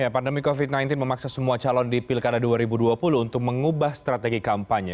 pandemi covid sembilan belas memaksa semua calon di pilkada dua ribu dua puluh untuk mengubah strategi kampanye